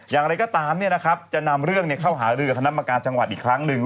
อย่างไรก็ตามเนี่ยนะครับจะนำเรื่องเนี่ยเข้าหารือกับธนับมาการณ์จังหวัดอีกครั้งหนึ่ง